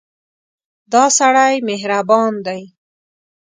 دا سړی مهربان دی.